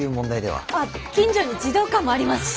近所に児童館もありますし。